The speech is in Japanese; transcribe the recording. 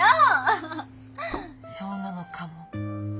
そうなのかも。